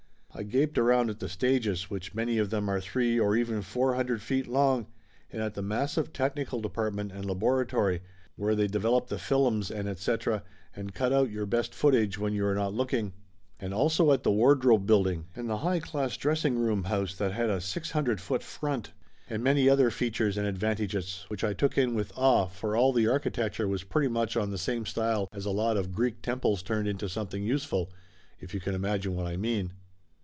I gaped around at the stages, which many of them are three or even four hundred feet long, and at the massive technical department and laboratory, Laughter Limited 163 where they develop the fillums and etc., and cut out your best footage when you are not looking. And also at the wardrobe building and the high class dress ing room house that had a six hundred foot front. And many other features and advantages, which I took in with awe, for all the architecture was pretty much on the same style as a lot of Greek temples turned into something useful, if you can imagine what I mean.